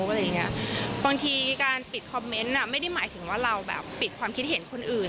บางทีการปิดคอมเมนต์ไม่ได้หมายถึงว่าเราปิดความคิดเห็นคนอื่น